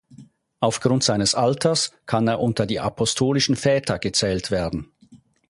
Aufgrund seines Alters kann er unter die apostolischen Väter gezählt werden.